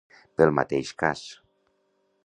Pel mateix cas.